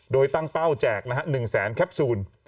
โดยตั้งเป้าแจกนะฮะ๑แสนแคปซูล